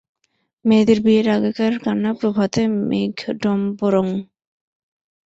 মেয়েদের বিয়ের আগেকার কান্না প্রভাতে মেঘডম্বরং।